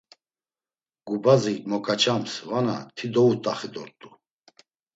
Gubazik moǩaçams vana ti doyut̆axi dort̆u.